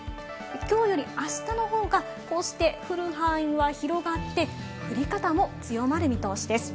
今日より明日の方がこうして降る範囲は広がって、降り方も強まる見通しです。